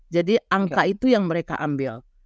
jadi angka itu yang mereka ambil